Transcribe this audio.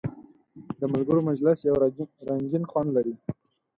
د ملګرو مجلس یو رنګین خوند لري.